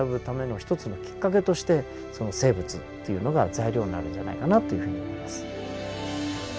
一つのきっかけとしてその生物というのが材料になるんじゃないかなというふうに思います。